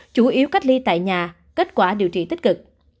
chủ yếu cách ly tại nhà kết quả điều trị tích cực